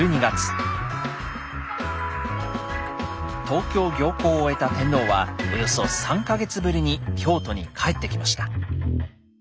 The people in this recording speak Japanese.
東京行幸を終えた天皇はおよそ３か月ぶりに京都に帰ってきました。